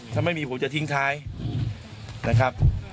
ถ้าไม่มีผมจะทิ้งท้ายนะครับ